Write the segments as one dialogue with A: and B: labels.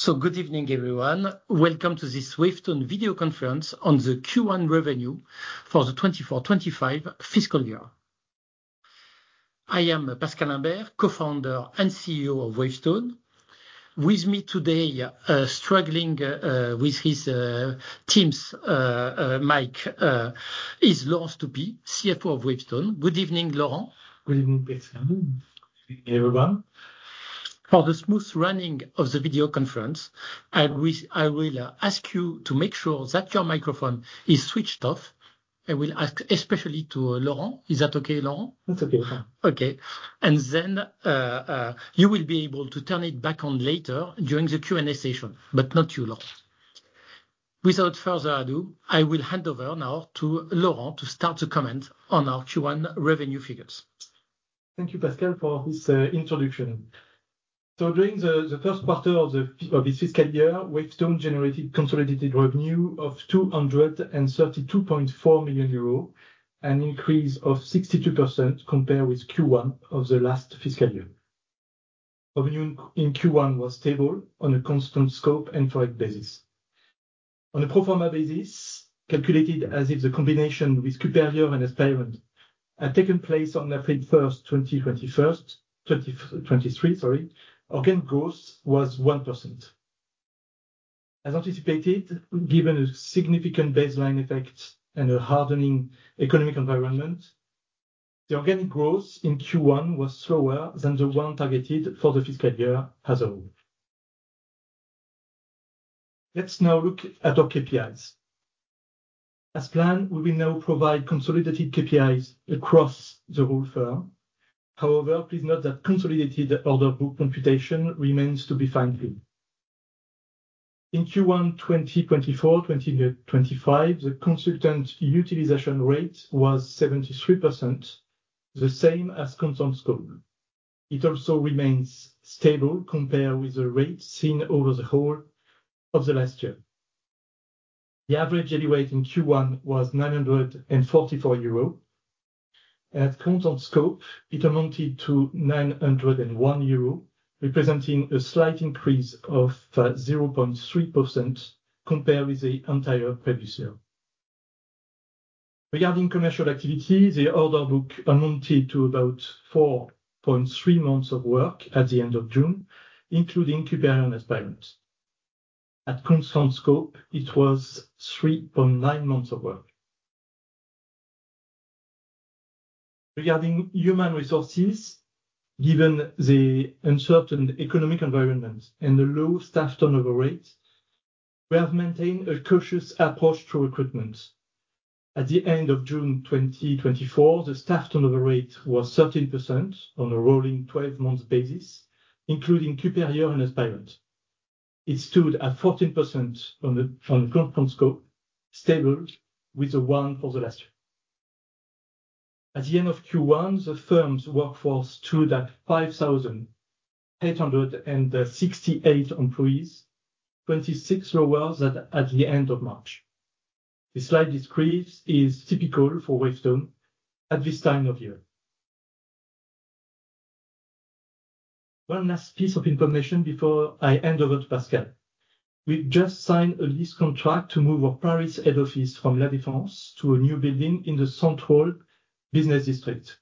A: So, good evening, everyone. Welcome to this Wavestone video conference on the Q1 revenue for the 2024-2025 fiscal year. I am Pascal Imbert, Co-founder and CEO of Wavestone. With me today, struggling with his team's mic, is Laurent Stoupy, CFO of Wavestone. Good evening, Laurent.
B: Good evening, Pascal.Good evening, everyone.
A: For the smooth running of the video conference, I will ask you to make sure that your microphone is switched off. I will ask especially to Laurent. Is that okay, Laurent?
B: That's okay.
A: Okay. And then you will be able to turn it back on later during the Q&A session, but not you, Laurent. Without further ado, I will hand over now to Laurent to start the comment on our Q1 revenue figures.
B: Thank you, Pascal, for this introduction. So, during the first quarter of this fiscal year, Wavestone generated consolidated revenue of 232.4 million euros, an increase of 62% compared with Q1 of the last fiscal year. Revenue in Q1 was stable on a constant scope and pro forma basis. On a pro forma basis, calculated as if the combination with Q_PERIOR and Aspirant had taken place on April 1st, 2023, sorry, organic growth was 1%. As anticipated, given a significant baseline effect and a hardening economic environment, the organic growth in Q1 was slower than the one targeted for the fiscal year as a whole. Let's now look at our KPIs. As planned, we will now provide consolidated KPIs across the whole firm. However, please note that consolidated order book computation remains to be fine-tuned. In Q1 2024-2025, the consultant utilization rate was 73%, the same as constant scope. It also remains stable compared with the rate seen over the whole of the last year. The average daily rate in Q1 was 944 euro. At constant scope, it amounted to 901 euro, representing a slight increase of 0.3% compared with the entire previous year. Regarding commercial activity, the order book amounted to about 4.3 months of work at the end of June, including Q_PERIOR and Aspirant. At constant scope, it was 3.9 months of work. Regarding human resources, given the uncertain economic environment and the low staff turnover rate, we have maintained a cautious approach to recruitment. At the end of June 2024, the staff turnover rate was 13% on a rolling 12-month basis, including Q_PERIOR and Aspirant. It stood at 14% on the constant scope, stable with the one for the last year. At the end of Q1, the firm's workforce stood at 5,868 employees, 26 lower than at the end of March. The slight decrease is typical for Wavestone at this time of year. One last piece of information before I hand over to Pascal. We've just signed a lease contract to move our Paris head office from La Défense to a new building in the Saint-Ouen business district.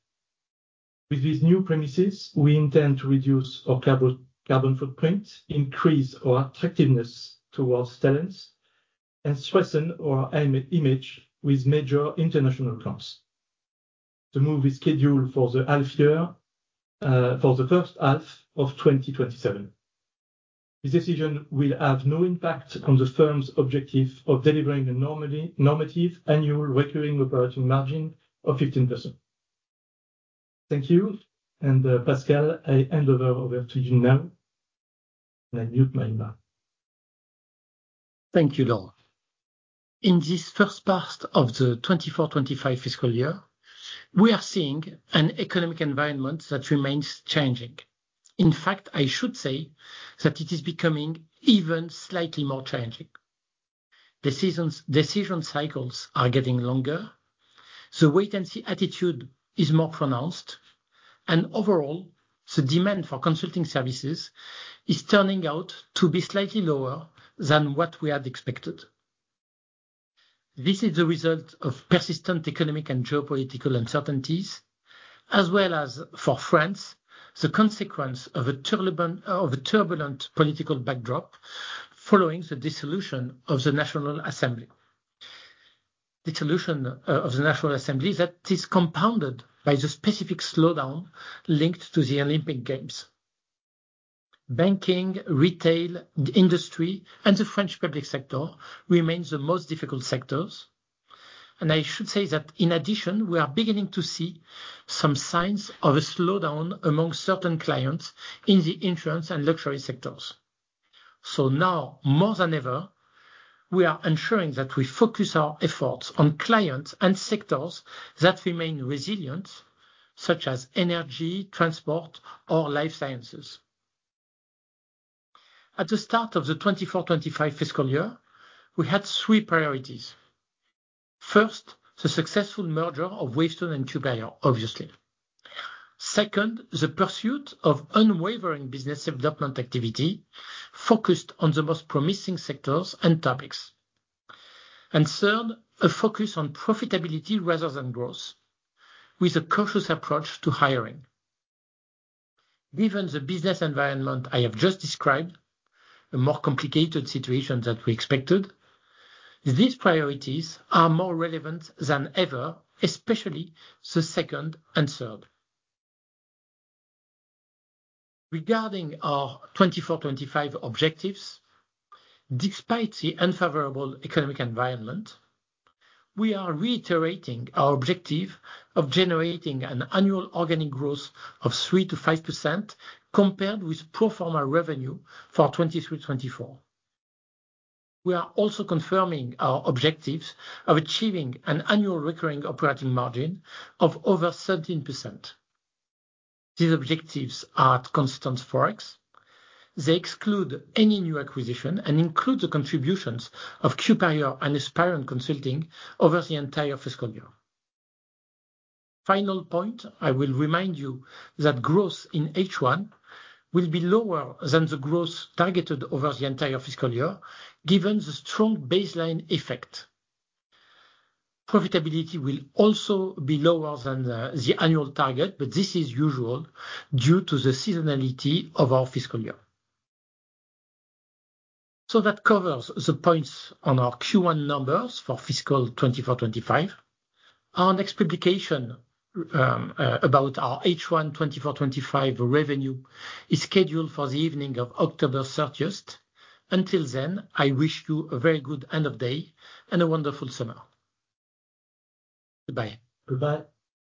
B: With these new premises, we intend to reduce our carbon footprint, increase our attractiveness towards talents, and strengthen our image with major international accounts. The move is scheduled for the first half of 2027. This decision will have no impact on the firm's objective of delivering a normative annual recurring operating margin of 15%. Thank you. Pascal, I hand over to you now. I mute my mic.
A: Thank you, Laurent. In this first part of the 2024-2025 fiscal year, we are seeing an economic environment that remains changing. In fact, I should say that it is becoming even slightly more changing. The decision cycles are getting longer, the wait-and-see attitude is more pronounced, and overall, the demand for consulting services is turning out to be slightly lower than what we had expected. This is the result of persistent economic and geopolitical uncertainties, as well as, for France, the consequence of a turbulent political backdrop following the dissolution of the National Assembly. The dissolution of the National Assembly that is compounded by the specific slowdown linked to the Olympic Games. Banking, retail, industry, and the French public sector remain the most difficult sectors. I should say that in addition, we are beginning to see some signs of a slowdown among certain clients in the insurance and luxury sectors. Now, more than ever, we are ensuring that we focus our efforts on clients and sectors that remain resilient, such as energy, transport, or life sciences. At the start of the 2024-2025 fiscal year, we had three priorities. First, the successful merger of Wavestone and Q_PERIOR, obviously. Second, the pursuit of unwavering business development activity focused on the most promising sectors and topics. Third, a focus on profitability rather than growth, with a cautious approach to hiring. Given the business environment I have just described, a more complicated situation than we expected, these priorities are more relevant than ever, especially the second and third. Regarding our 2024-2025 objectives, despite the unfavorable economic environment, we are reiterating our objective of generating an annual organic growth of 3%-5% compared with pro forma revenue for 2023-2024. We are also confirming our objectives of achieving an annual recurring operating margin of over 17%. These objectives are at constant forex. They exclude any new acquisition and include the contributions of Q_PERIOR and Aspirant Consulting over the entire fiscal year. Final point, I will remind you that growth in H1 will be lower than the growth targeted over the entire fiscal year, given the strong baseline effect. Profitability will also be lower than the annual target, but this is usual due to the seasonality of our fiscal year. That covers the points on our Q1 numbers for fiscal 2024-2025. Our next publication about our H1 2024-2025 revenue is scheduled for the evening of October 30th. Until then, I wish you a very good end of day and a wonderful summer. Goodbye.
B: Goodbye.